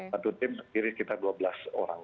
satu tim sendiri sekitar dua belas orang